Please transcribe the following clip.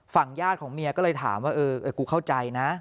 ญาติของเมียก็เลยถามว่าเออกูเข้าใจนะ